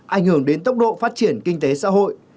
ảnh hưởng đến tốc độ phát triển kinh tế xã hội